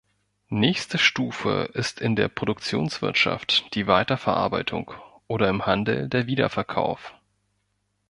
Nächste Stufe ist in der Produktionswirtschaft die Weiterverarbeitung oder im Handel der Wiederverkauf.